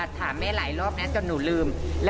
พี่บอกว่าบ้านทุกคนในที่นี่